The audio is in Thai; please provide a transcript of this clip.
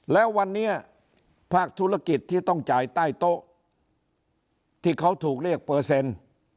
แล้ววันนี้ภาคธุรกิจที่ต้องจ่ายใต้โต๊ะที่เขาถูกเรียกเปอร์เซ็นต์